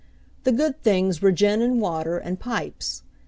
The good things were gin and water and pipes.